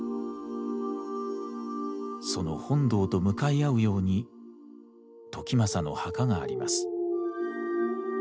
その本堂と向かい合うように時政の墓があります。